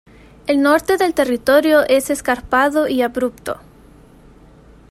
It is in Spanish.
El norte del territorio es escarpado y abrupto.